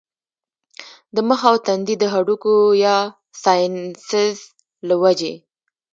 د مخ او تندي د هډوکو يا سائنسز له وجې